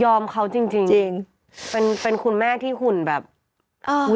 ยอมเขาจริงเป็นคุณแม่ที่หุ่นแบบอื้อ